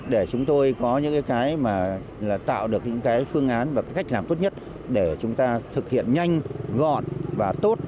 để chúng tôi có những cái mà tạo được những cái phương án và cái cách làm tốt nhất để chúng ta thực hiện nhanh gọn và tốt